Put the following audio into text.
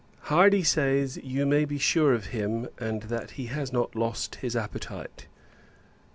Hardy says, you may be sure of him; and, that he has not lost his appetite.